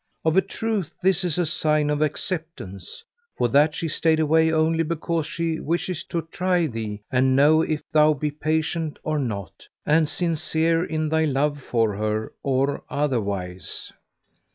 Of a truth this is a sign of acceptance; for that she stayed away only because she wisheth to try thee and know if thou be patient or not, and sincere in thy love for her or otherwise.